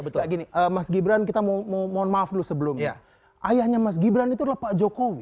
betul gini mas gibran kita mau mohon maaf dulu sebelumnya ayahnya mas gibran itu adalah pak jokowi